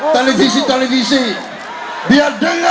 kalian bisauchar disana